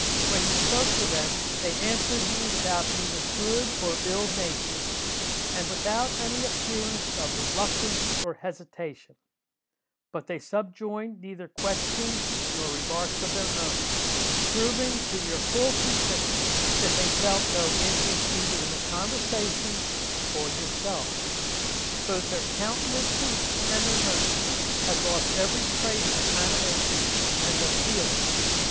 When you spoke to them, they answered you without either good or ill nature, and without any appearance of reluctance or hesitation; but they subjoined neither questions nor remarks of their own; proving to your full conviction that they felt no interest either in the conversation or yourself. Both their countenances and their motions had lost every trace of animation and of feeling.